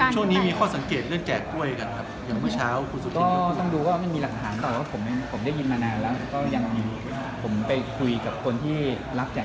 ช่วงนี้มีข้อสังเกตเรื่องแจกป้วยกันครับ